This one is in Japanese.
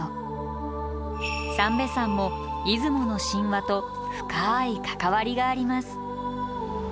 三瓶山も出雲の神話と深い関わりがあります